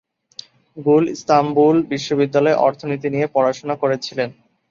গুল ইস্তাম্বুল বিশ্ববিদ্যালয়ে অর্থনীতি নিয়ে পড়াশোনা করেছিলেন।